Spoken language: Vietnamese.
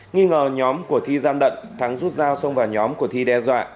nghi ngờ nhóm của thi gian đận thắng rút dao xông vào nhóm của thi đe dọa